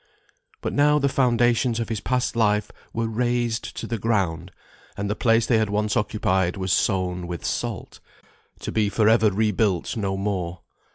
But now the foundations of his past life were razed to the ground, and the place they had once occupied was sown with salt, to be for ever rebuilt no more.